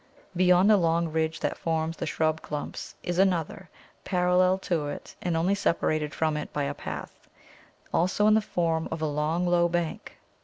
Beyond the long ridge that forms the shrub clump is another, parallel to it and only separated from it by a path, also in the form of a long low bank.